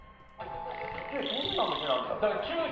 すげえどんな店なんだろうな？